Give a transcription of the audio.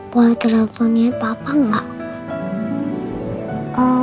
boleh teleponin papa enggak